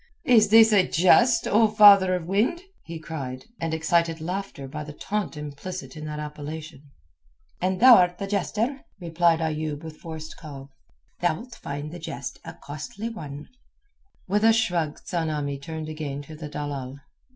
"Is this a jest, O father of wind?" he cried, and excited laughter by the taunt implicit in that appellation. "And thou'rt the jester," replied Ayoub with forced calm, "thou'lt find the jest a costly one." With a shrug Tsamanni turned again to the dalal.